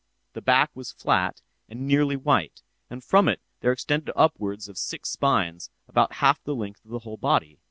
The back was flat and nearly white, and from it there extended upwards of six spines, about half the length of the whole body.